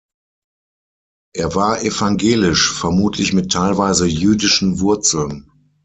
Er war evangelisch, vermutlich mit teilweise jüdischen Wurzeln.